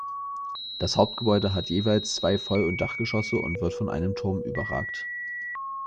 Das Hauptgebäude hat jeweils zwei Voll- und Dachgeschosse und wird von einem Turm überragt.